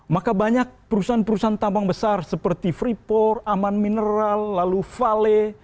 maka banyak perusahaan perusahaan tambang besar seperti freeport aman mineral lalu vale